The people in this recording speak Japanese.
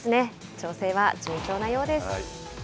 調整は順調なようです。